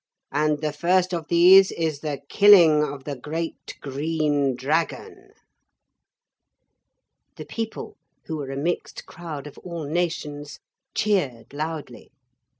And the first of these is the killing of the great green dragon.' The people, who were a mixed crowd of all nations, cheered loudly.